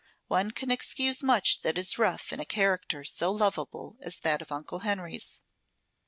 One can excuse much that is rough in a character so lovable as that of Uncle Henry's.